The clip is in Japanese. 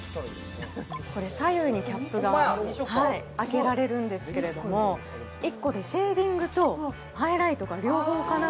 これ左右にキャップがホンマや２色あるすごい開けられるんですけれども１個でシェーディングとハイライトが両方かな